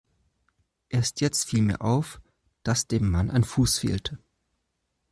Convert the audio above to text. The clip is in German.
Erst jetzt fiel mir auf, dass dem Mann ein Fuß fehlte.